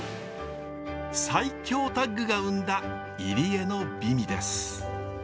最強タッグが生んだ入り江の美味です。